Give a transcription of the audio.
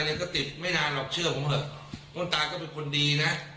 อะไรก็ติดไม่นานหรอกเชื่อผมแล้วจะเป็นคนดีนะ